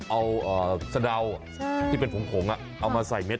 เอาสะเดาที่เป็นผงเอามาใส่เม็ด